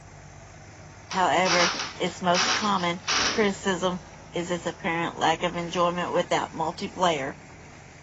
However, its most common criticism is its apparent lack of enjoyment without multiplayer.